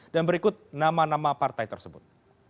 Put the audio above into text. dan berikut nama nama partai tersebut